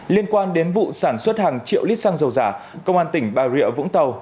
liên quan đến vụ sản xuất hàng triệu lít xăng dầu giả công an tỉnh bà rịa vũng tàu